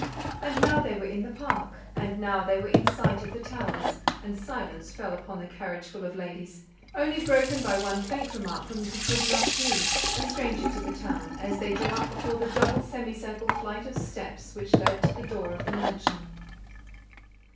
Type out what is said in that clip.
And now they were in the Park; and now they were in sight of the Towers, and silence fell upon the carriage full of ladies, only broken by one faint remark from Mrs. Goodenough's niece, a stranger to the town, as they drew up before the double semicircle flight of steps which led to the door of the mansion.